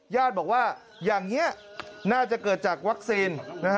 ญาติบอกว่าอย่างนี้น่าจะเกิดจากวัคซีน